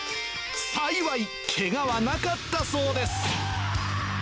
幸い、けがはなかったそうです。